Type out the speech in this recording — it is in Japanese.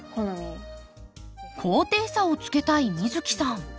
高低差をつけたい美月さん。